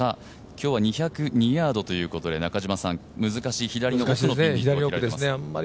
今日は２０２ヤードということで難しい左の木があります。